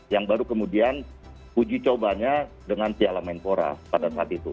yang baru kemudian puji coba dengan tiala menpora pada saat itu